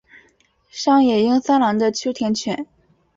上野英三郎的秋田犬。